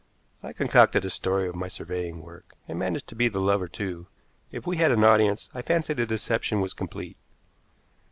I concocted a story of my surveying work, and managed to be the lover too. If we had an audience I fancy the deception was complete.